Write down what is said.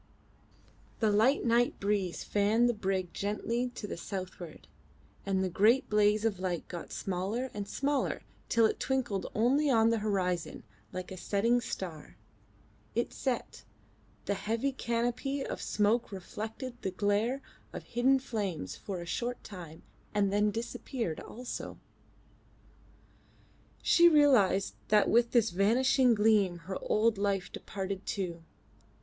The light night breeze fanned the brig gently to the southward, and the great blaze of light got smaller and smaller till it twinkled only on the horizon like a setting star. It set: the heavy canopy of smoke reflected the glare of hidden flames for a short time and then disappeared also. She realised that with this vanishing gleam her old life departed too.